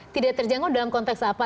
tidak terjangkau dalam konteks apa